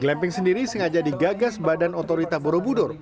glamping sendiri sengaja digagas badan otorita borobudur